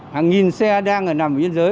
hàng nghìn xe đang nằm ở nhân giới